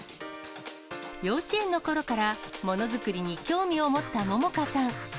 幼稚園のころからもの作りに興味を持った杏果さん。